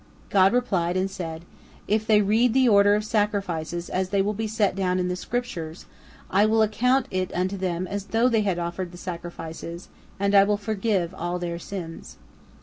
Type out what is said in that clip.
God replied, and said, "If they read the order of sacrifices as they will be set down in the Scriptures, I will account it unto them as though they had offered the sacrifices, and I will forgive all their sins."